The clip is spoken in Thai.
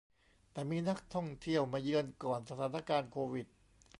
แต่มีนักท่องเที่ยวมาเยือนก่อนสถานการณ์โควิด